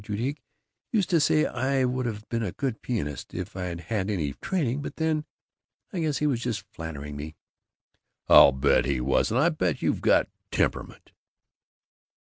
Judique used to say I would've been a good pianist if I'd had any training, but then, I guess he was just flattering me." "I'll bet he wasn't! I'll bet you've got temperament."